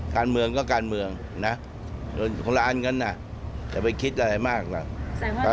การเมืองก็การเมืองนะคนละอันกันน่ะอย่าไปคิดอะไรมากน่ะ